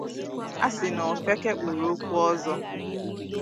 A sị na ofeke kpuru okwu ọzọ